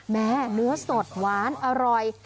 เนื้อสดหวานอร่อย